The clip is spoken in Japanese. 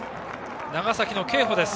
長崎の瓊浦です。